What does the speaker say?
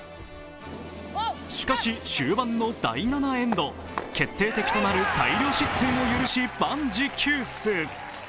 しかし終盤の第７エンド決定的となる大量失点を許し万事休す。